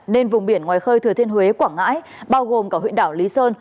nên vùng biển ngoài khơi thừa thiên huế quảng ngãi bao gồm cả huyện đảo lý sơn